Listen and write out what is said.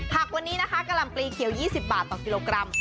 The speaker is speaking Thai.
ผักวันนี้นะคะกะหล่ำปลีเขียว๒๐บาทต่อกิโลกรัม